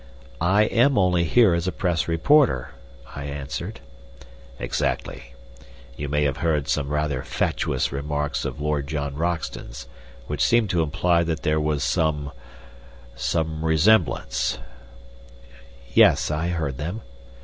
"I am only here as a Press reporter," I answered. "Exactly. You may have heard some rather fatuous remarks of Lord John Roxton's which seemed to imply that there was some some resemblance " "Yes, I heard them."